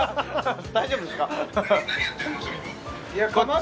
大丈夫ですか？